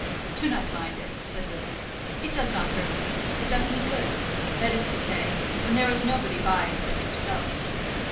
"Do not mind it," said Lily, "it does not hurt me, it does me good; that is to say, when there is nobody by except yourself.